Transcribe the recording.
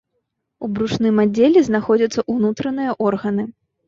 У брушным аддзеле знаходзяцца ўнутраныя органы.